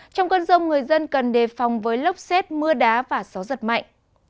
trong cơn rông người dân cần đề phòng với lốc xét mưa đá và gió giật mạnh